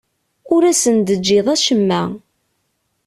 Ur asen-d-teǧǧiḍ acemma.